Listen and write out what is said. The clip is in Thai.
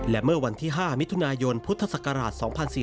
และเมื่อวันที่๕มิถุนายนพุทธศักราช๒๔๔